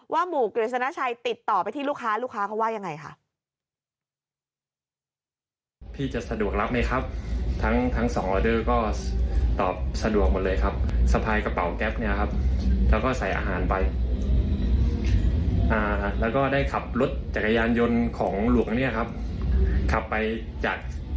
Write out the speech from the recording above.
หมู่กฤษณชัยติดต่อไปที่ลูกค้าลูกค้าเขาว่ายังไงค่ะ